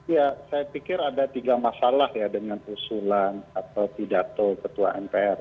ya saya pikir ada tiga masalah ya dengan usulan atau pidato ketua mpr